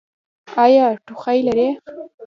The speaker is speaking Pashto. ایا ټوخی لرئ؟